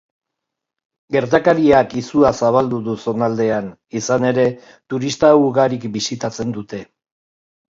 Gertakariak izua zabaldu du zonaldean, izan ere, turista ugarik bisitatzen dute.